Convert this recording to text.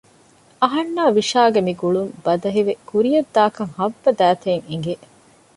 އަހަންނާ ވިޝާގެ މި ގުޅުން ބަދަހިވެ ކުރިޔަށްދާކަން ހައްވަ ދައިތައަށް އެނގެ